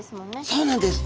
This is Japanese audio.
そうなんです。